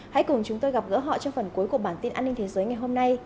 hãy cùng chúng tôi gặp gỡ họ trong phần cuối của bản tin an ninh thế giới ngày hôm nay